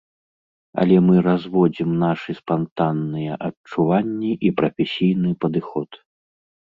Але мы разводзім нашы спантанныя адчуванні і прафесійны падыход.